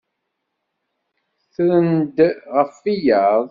Ttren-d ɣef wiyaḍ.